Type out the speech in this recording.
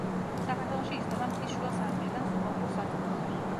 საქართველოში იზრდება მთის შუა სარტყლიდან სუბალპურ სარტყლამდე.